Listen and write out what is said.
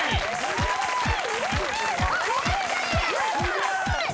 すごい！